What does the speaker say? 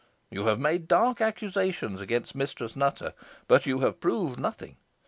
You have made dark accusations against Mistress Nutter, but you have proved nothing.